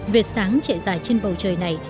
việc sáng chạy dài trên bầu trời này